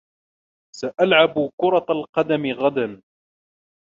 سألعب كرة القدم غدًا.